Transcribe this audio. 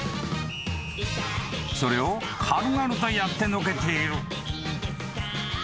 ［それを軽々とやってのけている］